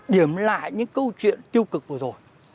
điểm lại những câu chuyện tiêu cực vừa rồi